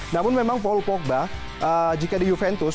namun memang paul pogba jika di juventus